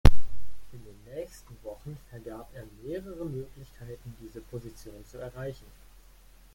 In den nächsten Wochen vergab er mehrere Möglichkeiten, diese Position zu erreichen.